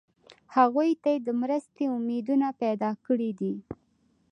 هغوی ته یې د مرستې امیدونه پیدا کړي دي.